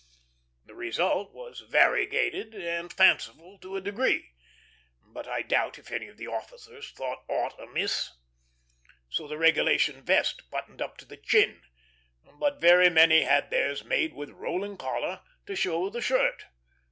The result was variegated and fanciful to a degree; but I doubt if any of the officers thought aught amiss. So the regulation vest buttoned up to the chin, but very many had theirs made with rolling collar, to show the shirt.